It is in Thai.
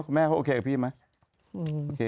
แม่เขาโอเคกับพี่ไหม